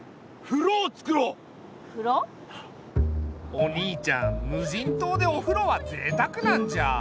お兄ちゃん無人島でお風呂はぜいたくなんじゃ。